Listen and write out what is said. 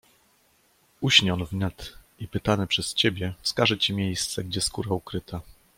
"Uśnie on wnet i pytany przez ciebie, wskaże ci miejsce, gdzie skóra ukryta."